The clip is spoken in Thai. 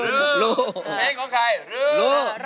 เพลงของใคร